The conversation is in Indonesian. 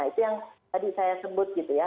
itu yang tadi saya sebut gitu ya